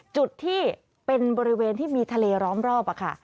จุดที่เป็นบริเวณที่มีทะเลล้อมรอบค่ะ